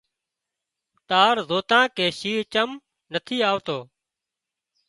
تار زوتان ڪي شينهن چم نٿي آوتو